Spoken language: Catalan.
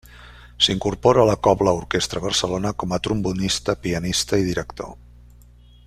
S'incorpora a la cobla-orquestra Barcelona com a trombonista, pianista i director.